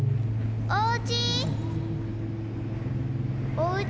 おうち？